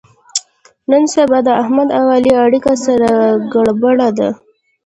نن سبا د احمد او علي اړیکه سره ګړبړ ده.